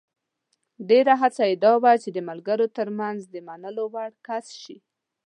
ډېره هڅه یې دا وي چې د ملګرو ترمنځ د منلو وړ کس شي.